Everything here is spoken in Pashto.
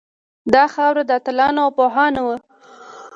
دا خاوره د اتلانو او پوهانو وه